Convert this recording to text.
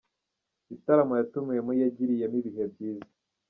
Bitaramo yatumiwemo yagiriyemo ibihe byiza